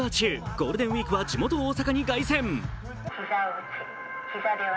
ゴールデンウイークは地元・大阪に凱旋。